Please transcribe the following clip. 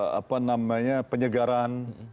harapan masyarakat ingin ada penyegaran